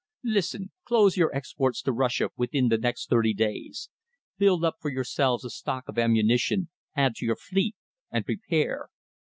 "Listen. Close your exports to Russia within the next thirty days. Build up for yourselves a stock of ammunition, add to your fleet, and prepare.